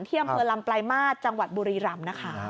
เที่ยงเผือลำปลายมากจังหวัดบุรีรำนะคะ